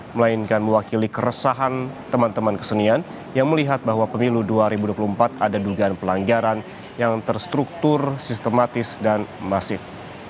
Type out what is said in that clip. melainkan mewakili keresahan teman teman kesenian yang melihat bahwa pemilu dua ribu dua puluh empat ada dugaan pelanggaran yang terstruktur sistematis dan masif